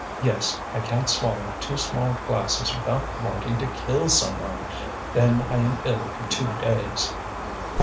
Yes; I can't swallow two small glasses without wanting to kill someone. Then I am ill for two days."